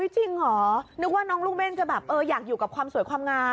จริงเหรอนึกว่าน้องลูกเม่นจะแบบอยากอยู่กับความสวยความงาม